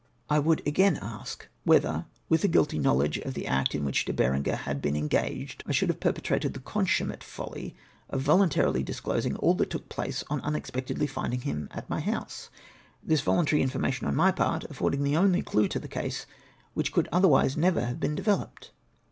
I would again ask, whether, with a guilty know ledge of the act in which De Berenger had been engaged, I should have perpetrated the consummate folly of voluntarily disclosing all that took place on unexpectedly finding him at my house ; this voluntary information on my part affordmg the only clue to the case, which could otherwise never have been de veloped.